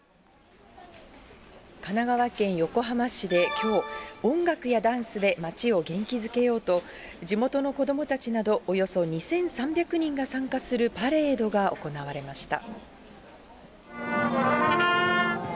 神奈川県横浜市できょう、音楽やダンスで街を元気づけようと、地元の子どもたちなどおよそ２３００人が参加するパレードが行われました。